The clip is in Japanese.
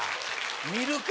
見るか！